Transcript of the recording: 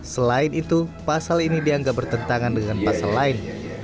selain itu pasal ini dianggap bertentangan dengan pasal lain